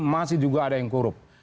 masih juga ada yang korup